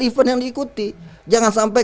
event yang diikuti jangan sampai